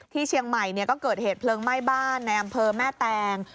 ที่เชียงใหม่ก็เกิดเหตุเพลิงไหม้บ้านในอำเภอแม่แตง